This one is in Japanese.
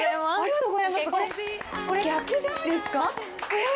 えっ？